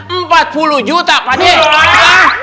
empat puluh juta pak dek